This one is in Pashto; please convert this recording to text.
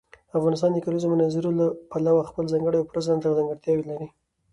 افغانستان د کلیزو منظره له پلوه خپله ځانګړې او پوره ځانته ځانګړتیاوې لري.